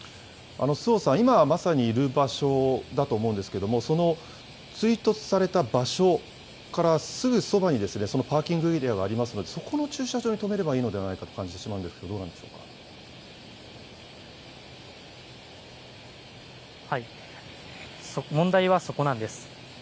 周防さん、今、まさにいる場所だと思うんですけれども、その追突された場所からすぐそばに、そのパーキングエリアがありますが、そこの駐車場に止めればいいのではないかと感じてしまうんで問題はそこなんです。